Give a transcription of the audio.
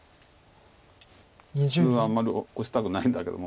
普通はあんまりオシたくないんだけども。